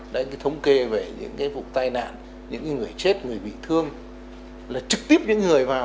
đấy cái thống kê về những cái vụ tai nạn những người chết người bị thương là trực tiếp những người vào